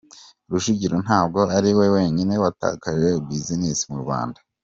Rujugiro ntabwo ari we wenyine watakaje buzinesi mu Rwanda.